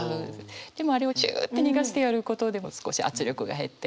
でもあれをジュって逃がしてやることで少し圧力が減って。